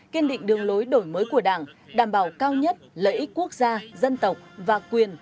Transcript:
kiên định đường lối đổi mới của đảng đảm bảo cao nhất lợi ích quốc gia dân tộc và quyền